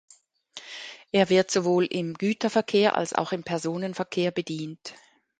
Er wird sowohl im Güterverkehr als auch im Personenverkehr bedient.